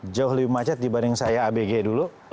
jauh lebih macet dibanding saya abg dulu